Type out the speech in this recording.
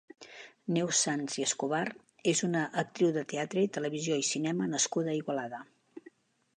Neus Sanz i Escobar és una actriu de teatre, televisió i cinema nascuda a Igualada.